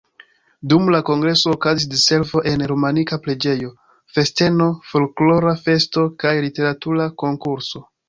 Dum la kongreso okazis diservo en romanika preĝejo, festeno, folklora festo kaj literatura konkurso.